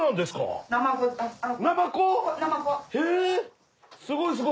すごい。